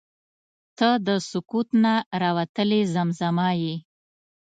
• ته د سکوت نه راوتلې زمزمه یې.